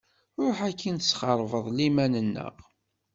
Ruḥ akin tesxerbeḍ liman-nneɣ.